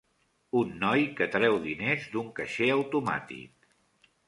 Un noi que treu diners d'un caixer automàtic.